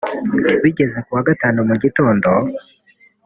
Bigeze ku wa Gatanu mu gitondo